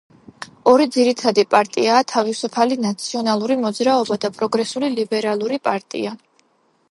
ორი ძირითადი პარტიაა თავისუფალი ნაციონალური მოძრაობა და პროგრესულ ლიბერალური პარტია.